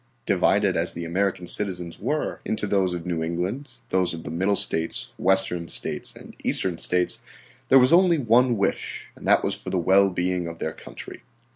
Divided as the American citizens were into those of New England, those of the Middle States, Western States, and Eastern States, there was only one wish, and that was for the well being of their country.